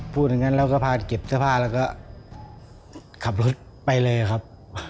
พูดอย่างงั้นเราก็พาเก็บสภาพแล้วก็ขับรถไปเลยครับ